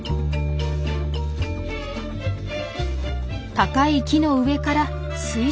高い木の上から水中まで。